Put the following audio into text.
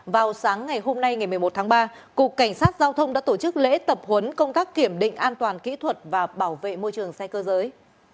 vào sáng ngày hôm nay ngày một mươi một tháng ba cục cảnh sát giao thông đã tổ chức lễ tập huấn công tác kiểm định an toàn kỹ thuật và bảo vệ môi trường xe cơ giới